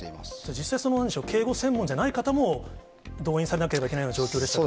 実際、警護専門じゃない方も動員されなければいけないような状況でしたか？